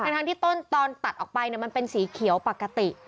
ทั้งที่ต้นตอนตัดออกไปมันเป็นสีเขียวปกติ